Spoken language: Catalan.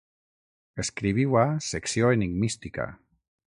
Escriviu a "Secció Enigmística.